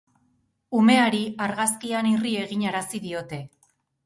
Umeari argazkian irri eginarazi diote.